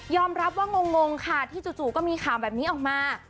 รับว่างงค่ะที่จู่ก็มีข่าวแบบนี้ออกมา